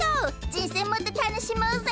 人生もっと楽しもうぜ。